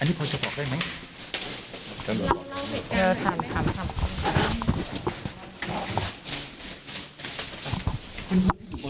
อันนี้พอจะบอกได้ไหมเออทำทำทำ